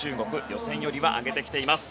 予選よりは上げてきています。